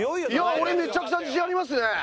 俺めちゃくちゃ自信ありますね！